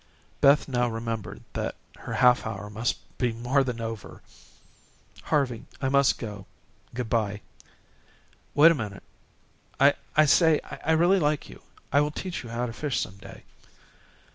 Beth now remembered that her half hour must be more than over. "Harvey, I must go. Good bye." "Wait a minute. I say, I really like you, and will teach you how to fish some day."